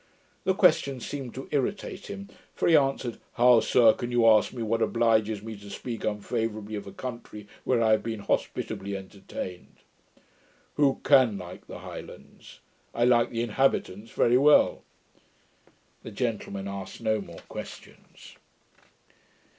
The question seemed to irritate him, for he answered, 'How, sir, can you ask me what obliges me to speak unfavourably of a country where I have been hospitably entertained? Who CAN like the Highlands? I like the inhabitants very well.' The gentleman asked no more questions.